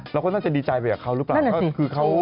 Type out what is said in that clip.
เราก็น่าจะดีใจไปกับเขาหรือเปล่า